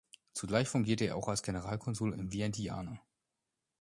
Zugleich fungierte er auch als Generalkonsul in Vientiane.